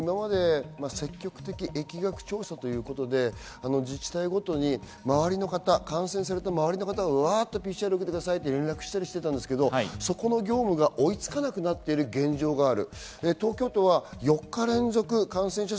今まで積極的疫学調査ということで自治体ごとに周りの方、感染された周りの方にわっとＰＣＲ検査をしてくださいと連絡していたけど、この業務が追いつかなくなっている現状がある。